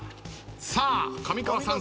さあ上川さん